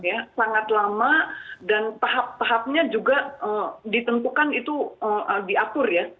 ya sangat lama dan tahap tahapnya juga ditentukan itu diatur ya